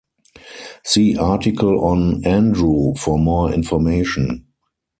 See article on "Andrew" for more information.